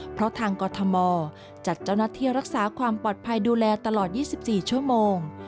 เพราะทางกรทมจัดเจ้าหน้าที่รักษาความปลอดภัยดูแลตลอด๒๔ชั่วโมง